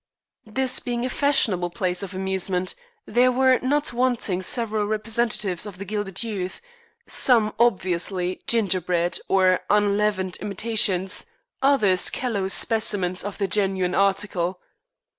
This being a fashionable place of amusement there were not wanting several representatives of the gilded youth, some obviously ginger bread or "unleavened" imitations, others callow specimens of the genuine article.